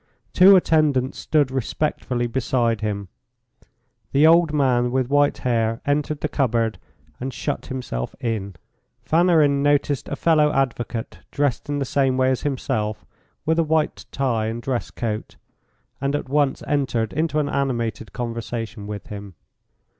Two attendants stood respectfully beside him. The old man with white hair entered the cupboard and shut himself in. Fanarin noticed a fellow advocate dressed in the same way as himself, with a white tie and dress coat, and at once entered into an animated conversation with him.